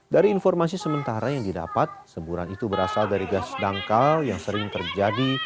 dari informasi sementara yang didapat semburan itu berasal dari gas dangkal yang sering terjadi